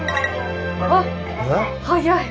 あっはやい！